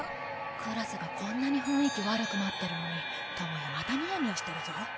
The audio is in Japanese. クラスがこんなにふんいき悪くなってるのに智也またニヤニヤしてるぞ。